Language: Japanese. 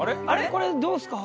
これどうですか？